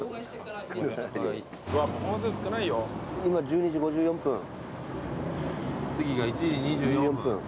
今１２時５４分。